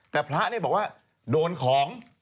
แต่พระบอกว่าโดนของ